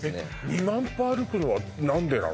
２万歩歩くのは何でなの？